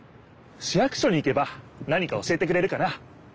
市役所に行けば何か教えてくれるかな？